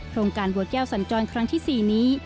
โครงการบวชแก้วสัญจรครั้งที่๔นี้